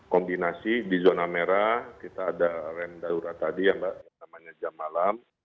kombinasi di zona merah kita ada rem darurat tadi yang mbak namanya jam malam